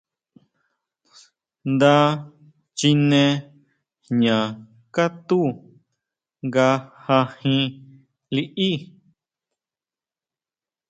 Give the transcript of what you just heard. Nda chine jña katú nga jajín liʼí.